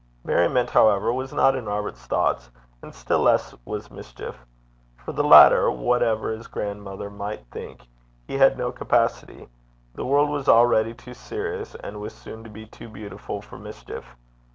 Merriment, however, was not in Robert's thoughts, and still less was mischief. For the latter, whatever his grandmother might think, he had no capacity. The world was already too serious, and was soon to be too beautiful for mischief.